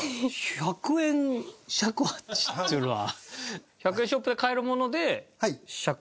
１００円尺八っていうのは。